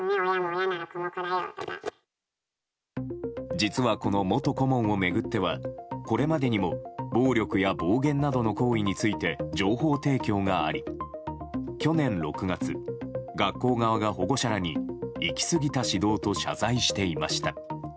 実は、この元顧問を巡ってはこれまでにも暴力や暴言などの行為について情報提供があり去年６月、学校側が保護者らに行き過ぎた指導と謝罪していました。